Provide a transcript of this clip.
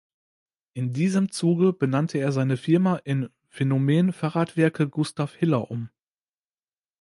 In diesem Zuge benannte er seine Firma in "Phänomen-Fahrradwerke Gustav Hiller" um.